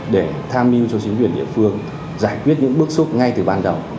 để tham mưu cho chính quyền địa phương giải quyết những bước xúc ngay từ ban đầu